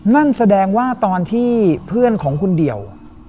นั่นแสดงว่าตอนที่เพื่อนของคุณเดี่ยว